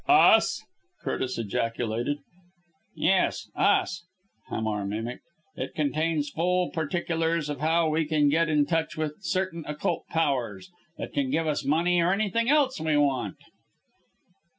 "Us!" Curtis ejaculated. "Yes! Us!" Hamar mimicked. "It contains full particulars of how we can get in touch with certain Occult Powers that can give us money or anything else we want!"